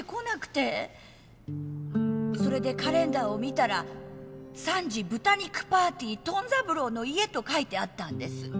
それでカレンダーを見たら「３時豚肉パーティートン三郎の家」と書いてあったんです。